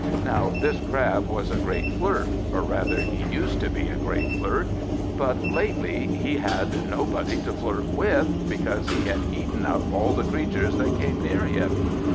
Now this Crab was a great flirt, or rather he used to be a great flirt, but lately he had nobody to flirt with, because he had eaten up all the creatures that came near him.